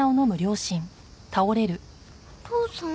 お父さん？